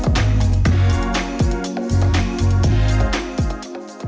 harus menaikkan harga per paket